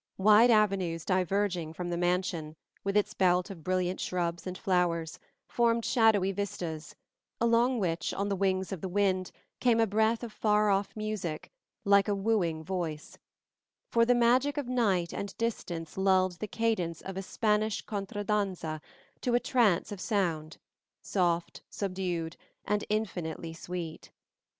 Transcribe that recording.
Wide avenues diverging from the mansion, with its belt of brilliant shrubs and flowers, formed shadowy vistas, along which, on the wings of the wind, came a breath of far off music, like a wooing voice; for the magic of night and distance lulled the cadence of a Spanish contradanza to a trance of sound, soft, subdued, and infinitely sweet.